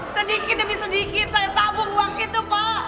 sedikit demi sedikit saya tabung uang itu pak